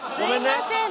すいませんね。